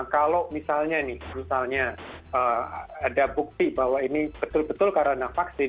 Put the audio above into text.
kalau misalnya nih misalnya ada bukti bahwa ini betul betul karena vaksin